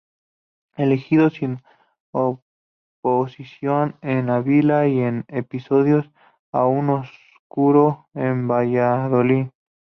Elegido sin oposición en Ávila, y en episodio aún oscuro, en Valladolid.